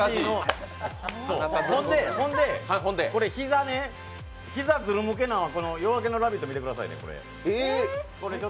ほんで、膝ね、ずるむけなん、「夜明けのラヴィット！」で見てくださいね。